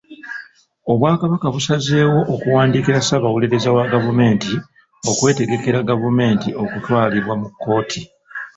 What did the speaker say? Obwakabaka busazeewo okuwandiikira Ssaabawolereza wa gavumenti okwetegekera gavumenti okutwalibwa mu kkooti.